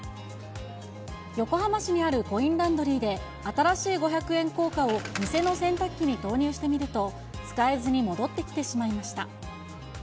横浜市にあるコインランドリーで、新しい五百円硬貨を店の洗濯機に投入して見ると、使えずに戻ってきてしまいました。